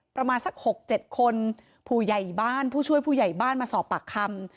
ประมาณสัก๖๗คนผู้ช่วยผู้ใหญ่บ้านมาสอบปากคำ